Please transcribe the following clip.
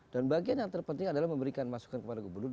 dan bagian yang terpenting adalah memberikan masukan kepada gubernur